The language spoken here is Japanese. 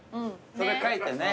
それで書いてね。